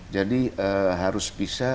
jadi harus bisa